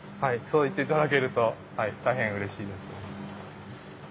そう言って頂けると大変うれしいです。